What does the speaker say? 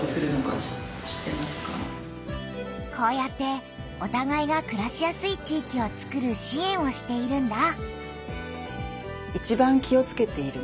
こうやっておたがいがくらしやすい地域をつくる支援をしているんだ。